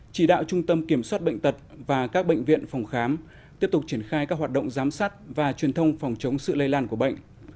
chỉ đạo trung tâm kiểm soát bệnh tật và các bệnh viện phòng khám tiếp tục triển khai các hoạt động giám sát và truyền thông phòng chống sự lây lan của bệnh